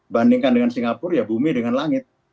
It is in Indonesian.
bandingkan dengan singapura ya bumi dengan langit